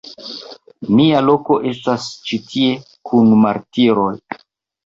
Mia loko estas ĉi tie, kun martiroj!